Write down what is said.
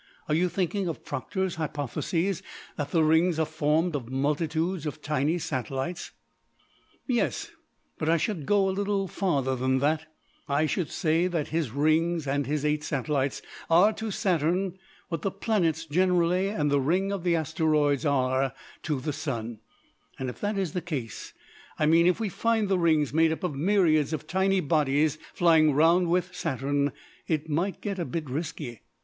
Are you thinking of Proctor's hypothesis that the rings are formed of multitudes of tiny satellites?" "Yes, but I should go a little farther than that, I should say that his rings and his eight satellites are to Saturn what the planets generally and the ring of the Asteroides are to the Sun, and if that is the case I mean if we find the rings made up of myriads of tiny bodies flying round with Saturn it might get a bit risky.